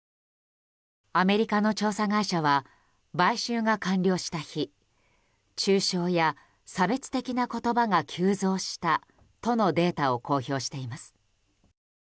アメリカの調査会社は買収が完了した日中傷や差別的な言葉が急増したとのデータを公表しています。